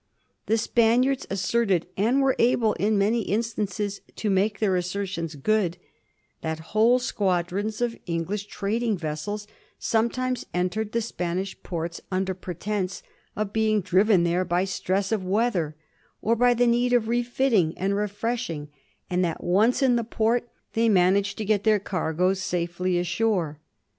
The Spaniards asserted, and were able in many instances to make their assertions good, that whole squadrons of Eng lish trading vessels sometimes entered the Spanish ports under pretence of being driven there by stress of weather, or by the need of refitting and refreshing; and that, once in the port, they managed to get their cargoes safely ashore.